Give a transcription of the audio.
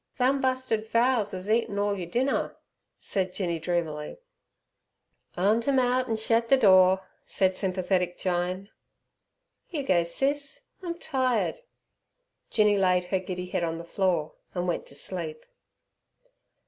"Thum busted fowls is eatin' orl yer dinner," said Jinny dreamily. "'Unt 'em out an' shet ther door," said sympathetic Jyne. "You go, Sis, I'm tired." Jinny laid her giddy head on the floor, and went to sleep.